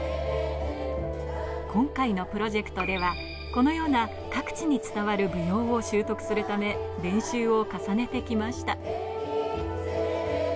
今回のプロジェクトではこのような各地に伝わる舞踊を習得するため、練習を重ねてきました。